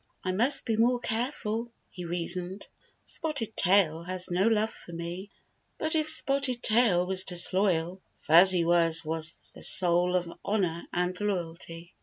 " I must be more careful," he reasoned. " Spotted Tail has no love for me." But if Spotted Tail was disloyal, Fuzzy Wuzz was the soul of honor and loyalty.